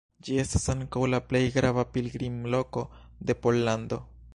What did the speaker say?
Ĝi estas ankaŭ la plej grava pilgrimloko de Pollando.